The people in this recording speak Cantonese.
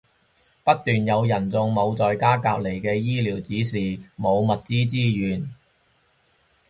不斷有人中，冇在家隔離嘅醫療指示，冇物資支援